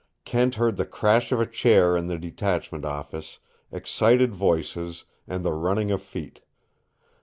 Kent heard the crash of a chair in the detachment office, excited voices, and the running of feet.